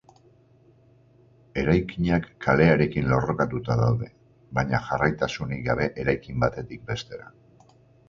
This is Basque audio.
Eraikinak kalearekin lerrokatuta daude, baina jarraitasunik gabe eraikin batetik bestera.